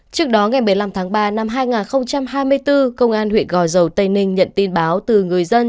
trước đó ngày một mươi năm tháng ba năm hai nghìn hai mươi bốn công an huyện gò dầu tây ninh nhận tin báo từ người dân